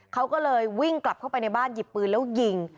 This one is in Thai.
เขาก็เลยวิ่งกลับเข้าไปในบ้านหยิบปืนแล้วยิง